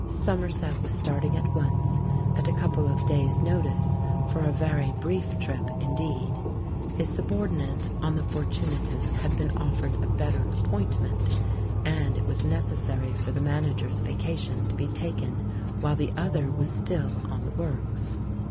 Somerset was starting at once, at a couple of days' notice, for a very brief trip indeed. His subordinate on the Fortu natus had been offered a better appointment, and it was necessary for the manager's vacation to be taken while the other was still on the works.